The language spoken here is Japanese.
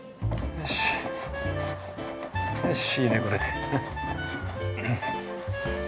よしよしいいねこれで。